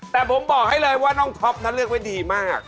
แต่ผมบอกให้เลยว่าน้องท็อปนั้นเลือกไว้ดีมาก